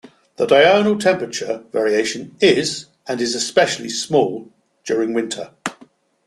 The diurnal temperature variation is and is especially small during winter.